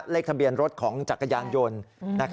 เลขทะเบียนรถของจักรยานยนต์